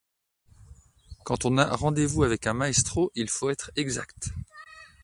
Quand on a rendez-vous avec un maestro, il faut être exact.